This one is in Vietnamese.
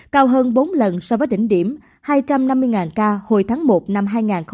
cao hơn bốn lần so với đỉnh điểm hai trăm năm mươi ca hồi tháng một năm hai nghìn hai mươi